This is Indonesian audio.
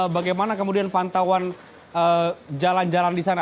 bagaimana kemudian pantauan jalan jalan di sana